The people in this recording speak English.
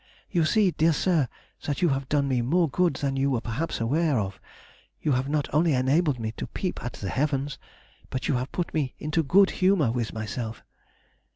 You see, dear sir, that you have done me more good than you were perhaps aware of: you have not only enabled me to peep at the heavens, but have put me into good humour with myself.